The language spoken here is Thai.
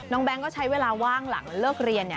แก๊งก็ใช้เวลาว่างหลังเลิกเรียน